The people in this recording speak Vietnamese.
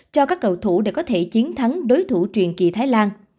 cho các cầu thủ để có thể chiến thắng đối thủ truyền kỳ thái lan